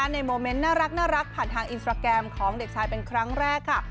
โมเมนต์น่ารักผ่านทางอินสตราแกรมของเด็กชายเป็นครั้งแรกค่ะ